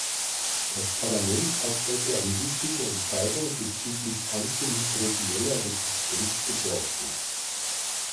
Das Parlament hat heute eine wichtige Entscheidung bezüglich antimikrobieller Resistenz getroffen.